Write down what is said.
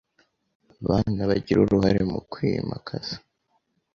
bana bagira uruhare mu kwyiimakaza